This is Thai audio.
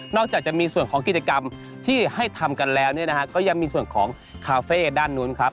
จากจะมีส่วนของกิจกรรมที่ให้ทำกันแล้วเนี่ยนะฮะก็ยังมีส่วนของคาเฟ่ด้านนู้นครับ